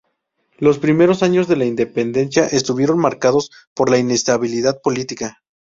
Los primeros años de la independencia estuvieron marcados por la inestabilidad política.